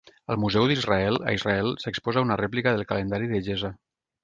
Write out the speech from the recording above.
Al Museu d'Israel, a Israel, s'exposa una rèplica del calendari de Gezer.